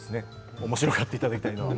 おもしろがっていただきたいのは。